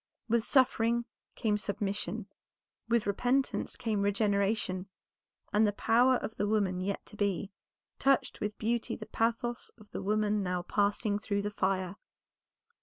With suffering came submission, with repentance came regeneration, and the power of the woman yet to be, touched with beauty the pathos of the woman now passing through the fire.